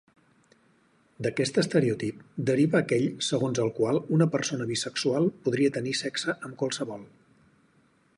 D'aquest estereotip, deriva aquell segons el qual una persona bisexual podria tenir sexe amb qualsevol.